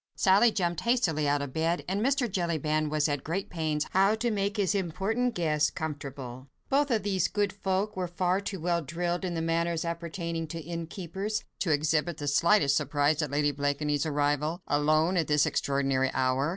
Sally jumped hastily out of bed, and Mr. Jellyband was at great pains how to make his important guest comfortable. Both these good folk were far too well drilled in the manners appertaining to innkeepers, to exhibit the slightest surprise at Lady Blakeney's arrival, alone, at this extraordinary hour.